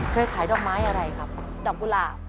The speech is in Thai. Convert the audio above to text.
เคยขายดอกไม้อะไรครับดอกกุหลาบ